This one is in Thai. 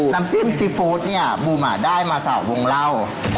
น้ำจิ้มซีฟู้ดเนี่ยบูมได้มาจากวงเล่า